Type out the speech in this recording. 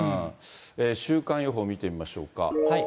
週間予報見てみましょうか。